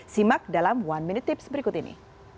simak dalam one minute tips berikut ini